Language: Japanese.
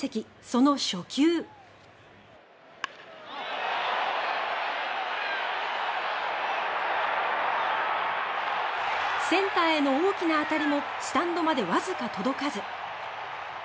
その初球センターへの大きなあたりもスタンドまでわずか届かず。